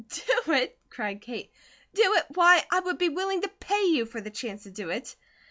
"Do it?" cried Kate. "Do it! Why, I would be willing to pay you for the chance to do it.